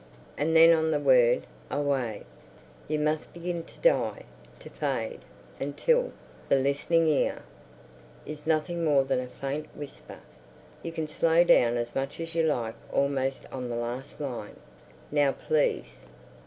_ And then on the word, Away, you must begin to die... to fade... until The Listening Ear is nothing more than a faint whisper.... You can slow down as much as you like almost on the last line. Now, please."